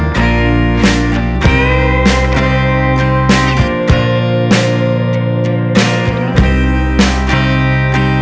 terima kasih banyak om tante